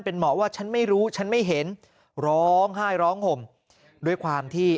เป็นหมอว่าฉันไม่รู้ฉันไม่เห็นร้องไห้ร้องห่มด้วยความที่